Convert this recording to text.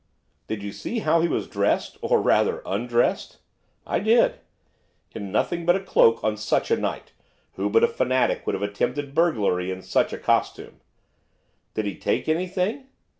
'Did you see how he was dressed, or, rather, undressed?' 'I did.' 'In nothing but a cloak on such a night. Who but a lunatic would have attempted burglary in such a costume?' 'Did he take anything?